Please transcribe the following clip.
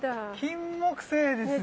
キンモクセイですよね。